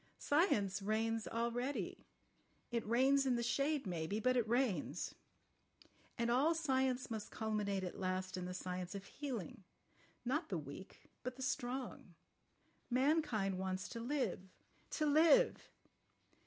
Science reigns already. It reigns in the shade maybe—but it reigns. And all science must culminate at last in the science of healing—not the weak, but the strong. Mankind wants to live—to live."